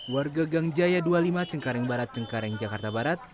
warga gang jaya dua puluh lima cengkareng barat cengkareng jakarta barat